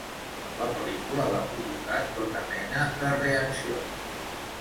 La pel·lícula va provocar tota mena de reaccions.